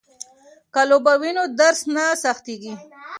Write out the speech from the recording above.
که لوبه وي نو درس نه سختيږي.